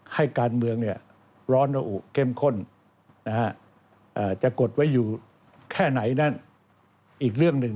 ให้การเมืองร้อนระอุเข้มข้นจะกดไว้อยู่แค่ไหนนั้นอีกเรื่องหนึ่ง